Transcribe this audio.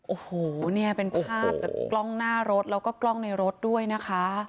โอ้โหเนี่ยเป็นภาพจากกล้องหน้ารถแล้วก็กล้องในรถด้วยนะคะ